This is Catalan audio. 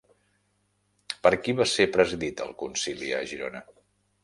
Per qui va ser presidit el concili a Girona?